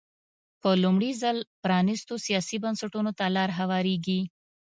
په لومړي ځل پرانېستو سیاسي بنسټونو ته لار هوارېږي.